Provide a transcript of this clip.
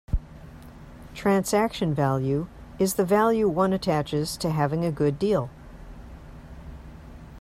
"Transaction value" is the value one attaches to having a good deal.